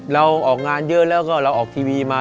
เราออกงานเยอะแล้วก็เราออกทีวีมา